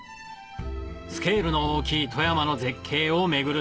スケールの大きい富山の絶景を巡る